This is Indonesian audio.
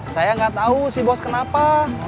saya nggak tahu si bos kenapa